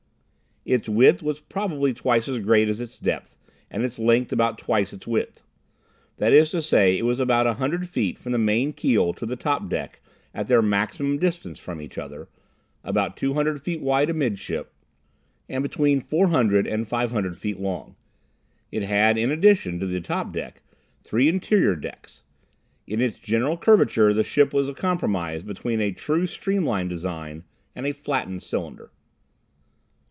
Its width was probably twice as great as its depth, and its length about twice its width. That is to say, it was about 100 feet from the main keel to the top deck at their maximum distance from each other, about 200 feet wide amidship, and between 400 and 500 feet long. It had in addition to the top deck, three interior decks. In its general curvature the ship was a compromise between a true streamline design and a flattened cylinder.